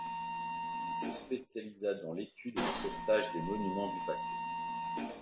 Il se spécialisa dans l’étude et le sauvetage des monuments du passé.